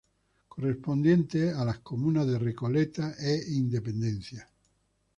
Correspondiente a las comunas de Recoleta e Independencia.